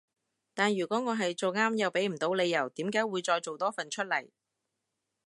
但如果我係做啱又畀唔到理由點解會再做多份出嚟